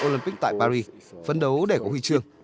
olympic tại paris phân đấu để có huy chương